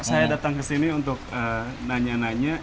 saya datang ke sini untuk nanya nanya